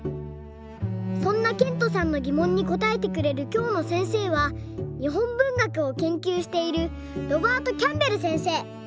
そんなけんとさんのぎもんにこたえてくれるきょうのせんせいは日本文学を研究しているロバート・キャンベルせんせい。